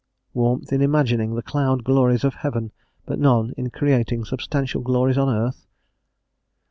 Warmth in imagining the cloud glories of heaven, but none in creating substantial glories on earth?